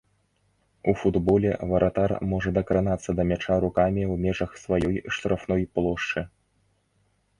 У футболе варатар можа дакранацца да мяча рукамі ў межах сваёй штрафной плошчы.